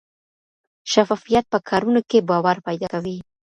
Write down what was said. شفافیت په کارونو کې باور پیدا کوي.